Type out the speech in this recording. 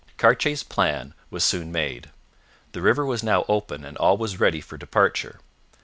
Cartier's plan was soon made. The river was now open and all was ready for departure.